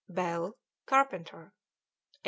Bell, carpenter; 8.